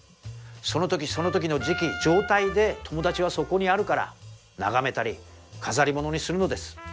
その時その時の時季状態で友達はそこにあるから眺めたり飾り物にするのです。